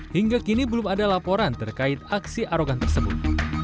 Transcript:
hingga kini belum ada laporan terkait aksi arogan tersebut